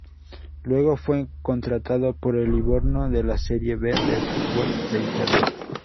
Luego fue contratado por el Livorno de la Serie B del fútbol de Italia.